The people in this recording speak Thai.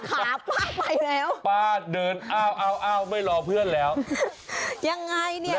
ขาป้าไปแล้วป้าเดินอ้าวอ้าวอ้าวอ้าวไม่รอเพื่อนแล้วยังไงเนี่ย